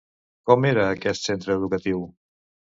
Com era aquest centre educatiu?